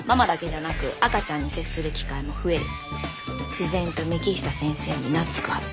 自然と幹久先生に懐くはず。